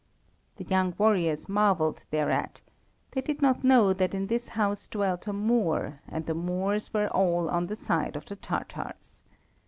The young warriors marvelled thereat; they did not know that in this house dwelt a Moor, and the Moors were all on the side of the Tatars.